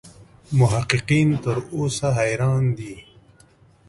محققین تر اوسه حیران دي.